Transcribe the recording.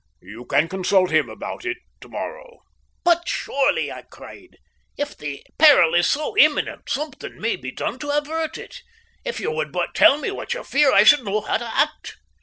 You can consult him about it to morrow." "But surely," I cried, "if the peril is so imminent something may be done to avert it. If you would but tell me what you fear I should know how to act."